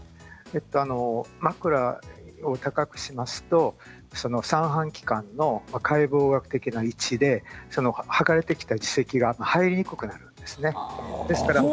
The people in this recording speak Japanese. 枕を高くしますと三半規管の解剖学的な位置で剥がれてきた耳石が入りにくくなるんですね。